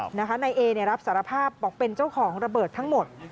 นายเอรับสารภาพบอกเป็นเจ้าของระเบิดทั้งหมด